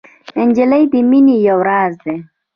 نجلۍ د مینې یو راز ده.